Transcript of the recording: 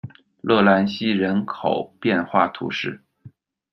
勒兰西人口变化图示